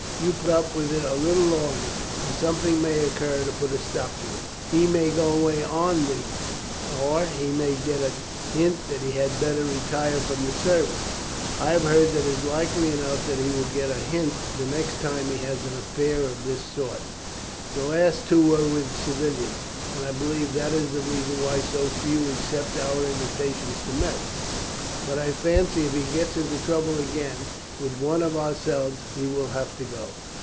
You put up with it a little longer, and something may occur to put a stop to it. He may go away on leave, or he may get a hint that he had better retire from the service. I have heard that it is likely enough that he will get a hint the next time he has an affair of this sort. The last two were with civilians, and I believe that is the reason why so few accept our invitations to mess; but I fancy if he gets into trouble again with one of ourselves he will have to go."